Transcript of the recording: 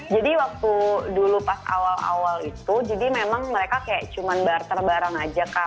jadi waktu dulu pas awal awal itu jadi memang mereka kayak cuma barter barang aja kak